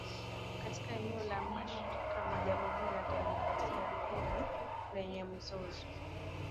Katika eneo la mashariki mwa Jamuhuri ya kidemokrasia ya kongo lenye mzozo